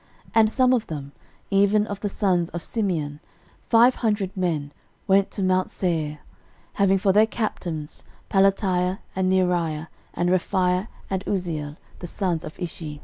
13:004:042 And some of them, even of the sons of Simeon, five hundred men, went to mount Seir, having for their captains Pelatiah, and Neariah, and Rephaiah, and Uzziel, the sons of Ishi.